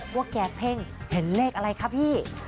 ว่าแกเพ่งเห็นเลขอะไรคะพี่